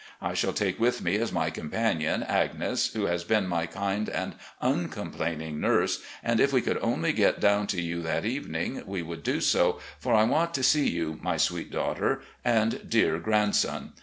I shall take with me, as my companion, Agnes, who has been my kind and uncomplaining nurse, and if we could only get down to you that evening we would do so, for I want to see you, my sweet daughter, and dear grandson.